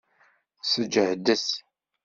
Sǧehdet!